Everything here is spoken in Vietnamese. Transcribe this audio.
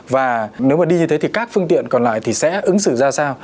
và nếu mà đi như thế thì các phương tiện còn lại thì sẽ ứng xử ra sao